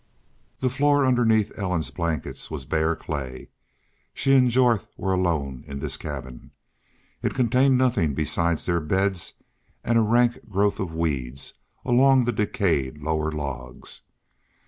The floor underneath Ellen's blankets was bare clay. She and Jorth were alone in this cabin. It contained nothing besides their beds and a rank growth of weeds along the decayed lower logs.